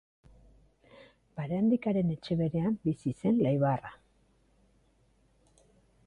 Barandikaren etxe berean bizi zen Laibarra.